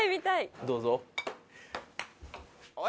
どうぞ。